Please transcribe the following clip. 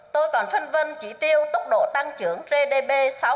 tôi còn phân vân trị tiêu tốc độ tăng trưởng gdp sáu bảy